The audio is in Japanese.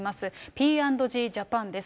Ｐ＆Ｇジャパンです。